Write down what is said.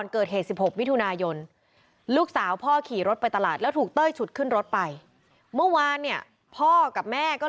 เข้ามาพอใดนะ